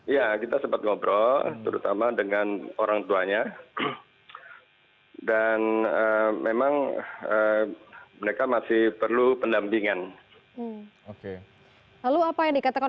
ya kita sempat ngobrol terutama dengan orang tuanya dan memang mereka masih perlu pendampingan